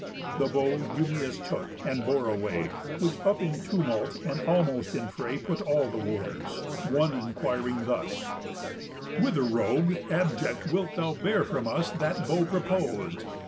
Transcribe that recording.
The bow Eumæus took, and bore away; Which up in tumult, and almost in fray, Put all the Wooers, one enquiring thus: "Whither, rogue, abject, wilt thou bear from us That bow propos'd?